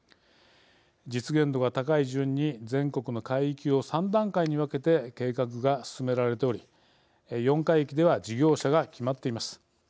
実現度が高い順に全国の海域を３段階に分けて計画が進められており４海域では事業者が決まっています。